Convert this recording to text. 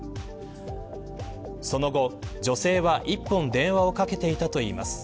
その後、女性は１本電話をかけていたといいます。